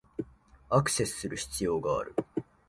アクセスする必要がある